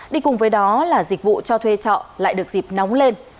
đi cùng với đó là dịch vụ cho thuê trọ lại được dịp nóng lên